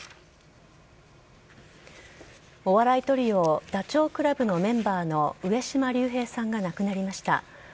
お笑いトリオダチョウ倶楽部のメンバーの上島竜兵さんが亡くなりました。